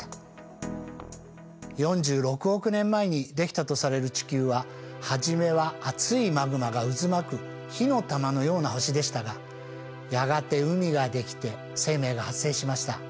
４６億年前にできたとされる地球は初めは熱いマグマが渦巻く火の玉のような星でしたがやがて海ができて生命が発生しました。